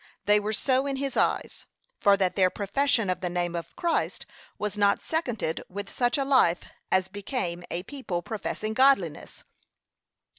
They were so in his eyes, for that their profession of the name of Christ was not seconded with such a life as became a people professing godliness.